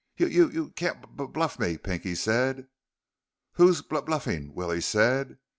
"Y you c can't b bluff me," Pinky said. "Who's b bluffing?" Willie said.